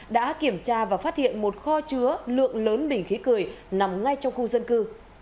đã kiểm tra và phát hiện một kho chứa lượng lớn bình khí cười nằm ngay trong khu dân cư